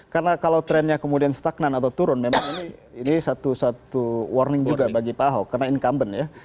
karena kalau trendnya kemudian stagnan atau turun memang ini satu satu warning juga bagi pak ahok karena incumbent ya